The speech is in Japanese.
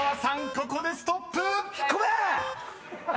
ここでストップ！］